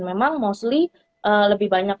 memang mostly lebih banyak